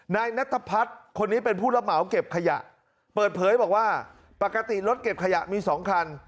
นายนัทพัฒน์คนนี้เป็นผู้รับเหมาเก็บขยะเปิดเผยบอกว่าปกติรถเก็บขยะมีสองคัน